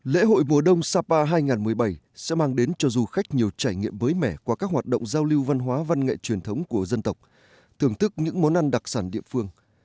lễ hội mùa đông sapa hai nghìn một mươi bảy sẽ mang đến cho du khách nhiều trải nghiệm mới mẻ qua các hoạt động giao lưu văn hóa văn nghệ truyền thống của dân tộc thưởng thức những món ăn đặc sản địa phương